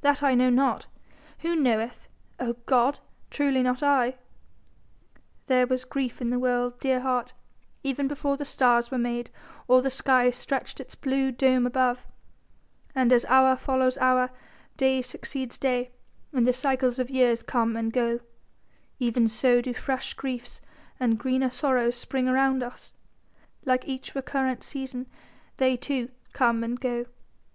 That I know not! Who knoweth, oh God? Truly not I. There was grief in the world, dear heart, even before the stars were made or the sky stretched its blue dome above; and as hour follows hour, day succeeds day and the cycles of years come and go, even so do fresh griefs and greener sorrows spring around us; like each recurrent season they too come and go.